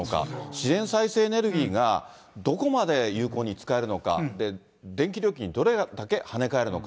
自然再生エネルギーがどこまで有効に使えるのか、電気料金、どれだけ跳ね返るのか。